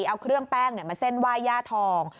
เอาเครื่องแป้งมาเส้นไหว้ย่าทอง